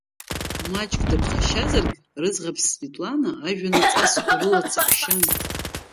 Маҷк дыԥхашьазаргь рыӡӷаб Светлана, ажәҩан аҵасқәа рыла дсаҳәшьан…